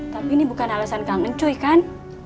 tapi ini bukan alasan kangen cuy kan